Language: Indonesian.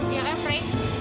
iya kan fre